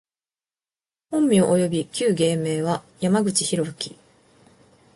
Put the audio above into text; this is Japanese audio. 本名および旧芸名は、山口大樹（やまぐちひろき）